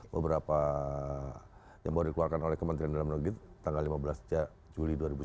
beberapa yang baru dikeluarkan oleh kementerian dalam negeri tanggal lima belas juli dua ribu sembilan belas